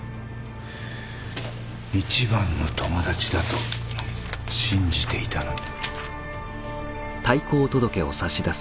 一番の友達だと信じていたのに。